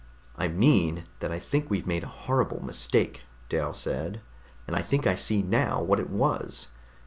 "I mean that I think we've made a horrible mistake," Dal said, "and I think I see now what it was.